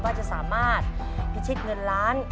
ว่าจะสามารถพิชิตเงินล้าน